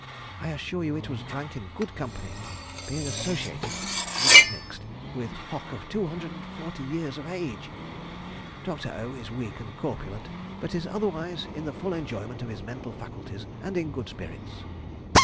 I assure you it was drank in good company, being associated (not mixed) with Hock of 240 years of age!! Dr. O. is weak and corpulent, but is otherwise in the full enjoyment of his mental faculties, and in good spirits.